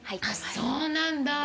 あ、そうなんだあ。